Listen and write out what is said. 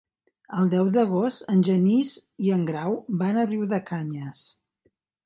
El deu d'agost en Genís i en Grau van a Riudecanyes.